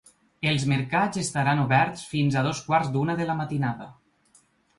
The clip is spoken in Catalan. Els mercats estaran oberts fins a dos quarts d’una de la matinada.